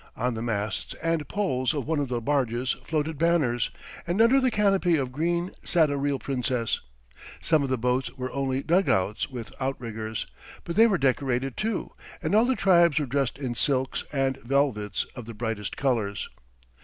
On the masts and poles of one of the barges floated banners, and under the canopy of green sat a real Princess. Some of the boats were only dugouts with outriggers, but they were decorated, too, and all the tribes were dressed in silks and velvets of the brightest colours.